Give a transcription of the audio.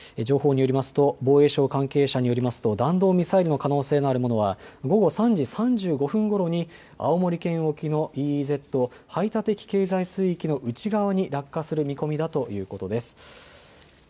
情報によりますと防衛省関係者によりますと弾道ミサイルの可能性があるものは午後３時３５分ごろに青森県沖のＥＥＺ・排他的経済水域の内側だということです。